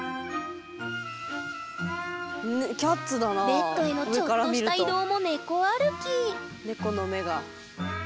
ベッドへのちょっとした移動も猫歩き猫の目が。